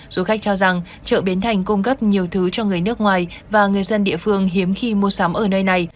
du khách cho rằng chợ bến thành cung cấp nhiều thứ cho người nước ngoài và người dân địa phương hiếm khi mua sắm ở nơi này